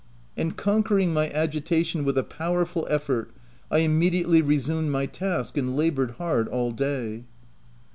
And conquering my agitation with a power ful effort, I immediately resumed my task, and laboured hard all day.